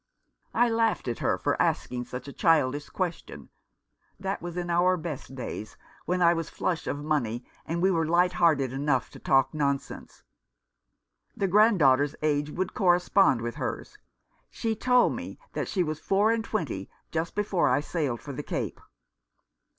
I laughed at her for asking such a childish question. That was in our best days, when I was flush of money, and we were light hearted enough to talk nonsense. The grand daughter's age would correspond with hers. She told me that she was four and twenty just before I sailed for the Cape."